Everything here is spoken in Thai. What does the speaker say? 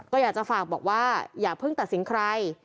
ก็อยากจะฝากบอกว่าอย่าเพิ่งตัดสินใคร